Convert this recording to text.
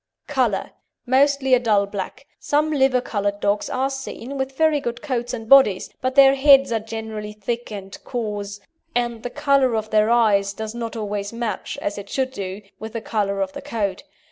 COLOUR Mostly a dull black. Some liver coloured dogs are seen with very good coats and bodies, but their heads are generally thick and coarse, and the colour of their eyes does not always match, as it should do, with the colour of the coat.